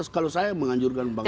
kalau saya menganjurkan bang egy